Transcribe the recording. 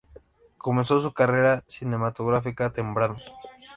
Comenzó su carrera cinematográfica temprano.